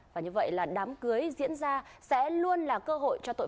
và như vậy là đám cưới diễn ra sẽ luôn là cơ hội